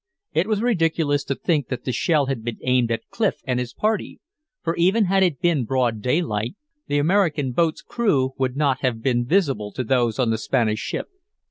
It was ridiculous to think that the shell had been aimed at Clif and his party, for even had it been broad daylight the American boat's crew would not have been visible to those on the Spanish ship.